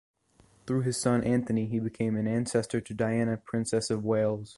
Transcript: Through his son Anthony, he became an ancestor to Diana, Princess of Wales.